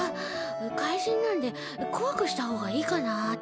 怪人なんでこわくしたほうがいいかなあって。